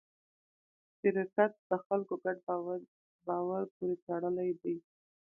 شرکت د خلکو ګډ باور پورې تړلی دی.